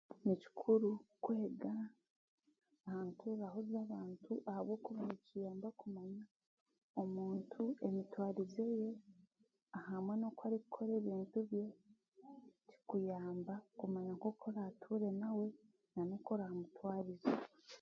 Ni kikuro kwega aha ntuuraho y'abantu ahabwokuba nikiyamba kumanya omuntu emitwarize ye hamwe n'oku arikukora ebintu bye kuyamba kumanya nk'oku oraatuure nawe nan'oku oraamutwarize